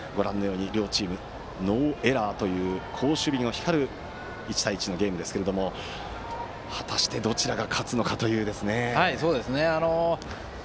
両チームノーエラーという好守備が光る１対１のゲームですけれども果たしてどちらが勝つのかという。